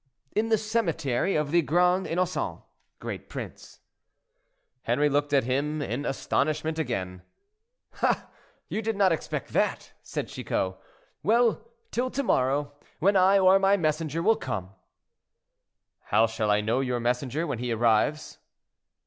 "In the cemetery of the Grands Innocens, great prince." Henri looked at him in astonishment again. "Ah! you did not expect that," said Chicot. "Well, till to morrow, when I or my messenger will come—" "How shall I know your messenger when he arrives?"